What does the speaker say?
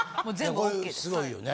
これすごいよね。